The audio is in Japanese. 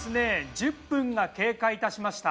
１０分が経過いたしました。